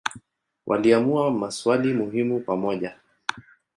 Waliamua maswali muhimu pamoja.